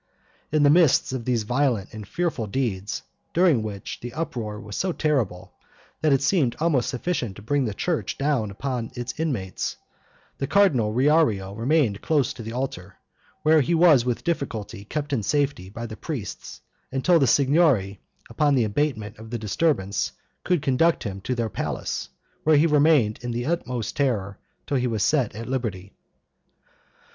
In the midst of these violent and fearful deeds, during which the uproar was so terrible, that it seemed almost sufficient to bring the church down upon its inmates, the cardinal Riario remained close to the altar, where he was with difficulty kept in safety by the priests, until the Signory, upon the abatement of the disturbance, could conduct him to their palace, where he remained in the utmost terror till he was set at liberty.